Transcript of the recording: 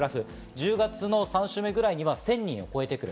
１０月の３週目ぐらいには１０００人を超えてくる。